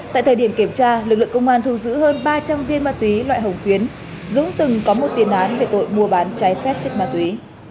tại thời điểm kiểm tra lực lượng công an thu giữ hơn ba trăm linh viên ma túy loại hồng phiến dũng từng có một tiền án về tội mua bán trái phép chất ma túy